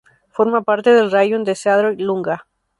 Forma parte del raión de Ceadîr-Lunga.